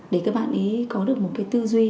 để các bạn ý có được một cái tư duy